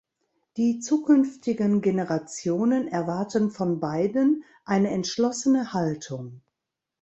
Die zukünftigen Generationen erwarten von beiden eine entschlossene Haltung.